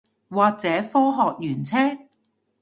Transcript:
或者科學園車